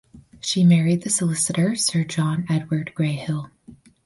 She married the solicitor Sir John Edward Gray Hill.